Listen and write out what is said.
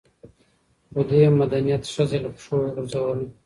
خو دې مدنيت ښځه له پښو وغورځوله